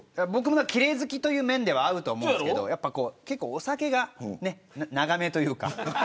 奇麗好きという面では合うと思うんですけど結構、お酒が長めというか。